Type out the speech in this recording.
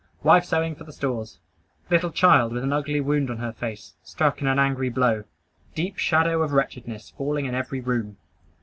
Wife sewing for the stores. Little child with an ugly wound on her face, struck in an angry blow. Deep shadow of wretchedness falling in every room.